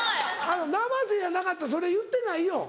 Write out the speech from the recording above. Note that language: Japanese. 生瀬やなかったらそれ言ってないよ。